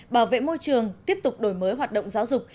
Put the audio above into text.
bảo vệ môi trường tiếp tục đổi mới hoạt động giáo dục